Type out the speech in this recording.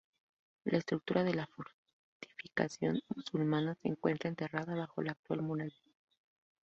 La estructura de la fortificación musulmana se encuentra enterrada bajo la actual muralla.